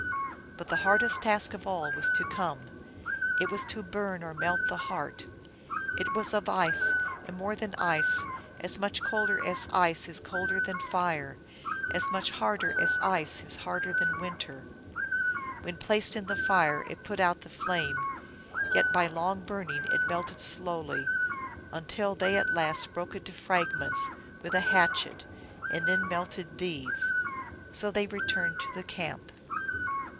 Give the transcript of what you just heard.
But the hardest task of all was to come. It was to burn or melt the heart. It was of ice, and more than ice : as much colder as ice is colder than fire, as much harder as ice is harder than water. When placed in the fire it put out the flame, yet by long burning it melted slowly, until they at last broke it to fragments with a hatchet, and then melted these. So they re turned to the camp.